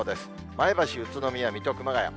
前橋、宇都宮、水戸、熊谷。